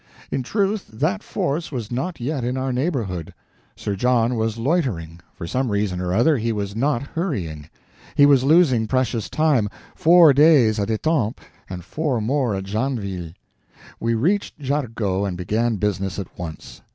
In truth, that force was not yet in our neighborhood. Sir John was loitering; for some reason or other he was not hurrying. He was losing precious time—four days at Etampes, and four more at Janville. We reached Jargeau and began business at once.